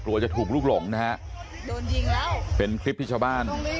จะถูกลุกหลงนะฮะโดนยิงแล้วเป็นคลิปที่ชาวบ้าน